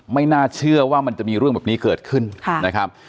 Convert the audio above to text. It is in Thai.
ไม่น่าเชื่อว่ามันจะมีเรื่องแบบนี้เกิดขึ้นนะครับ